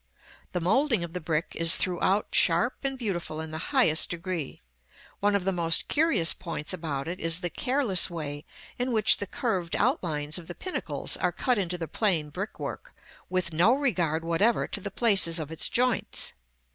The moulding of the brick is throughout sharp and beautiful in the highest degree. One of the most curious points about it is the careless way in which the curved outlines of the pinnacles are cut into the plain brickwork, with no regard whatever to the places of its joints.